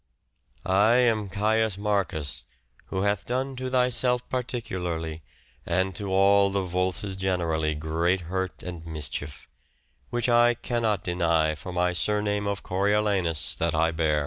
" I am Caius Marcus, who hath done to thyself particularly, and to all the Voices generally great hurt and mischief ; which I cannot deny for my surname of Coriolanus that I bear."